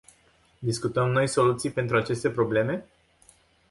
Discutăm noi soluții pentru aceste probleme?